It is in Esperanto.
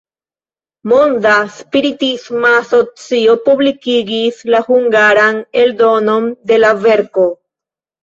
Monda Spiritisma Asocio publikigis la hungaran eldonon de la verko.